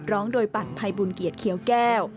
ร้องโดยปั่นภัยบุญเกียรติเขียวแก้ว